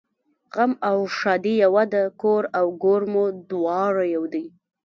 غم او ښادي یوه ده کور او ګور مو دواړه یو دي